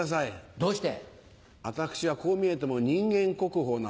どうして？